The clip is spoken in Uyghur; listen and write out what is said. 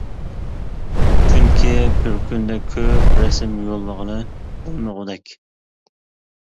چۈنكى، بىر كۈندە كۆپ رەسىم يوللىغىلى بولمىغۇدەك!